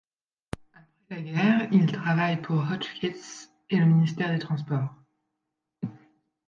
Après la guerre, il travaille pour Hotchkiss et le ministère des Transports.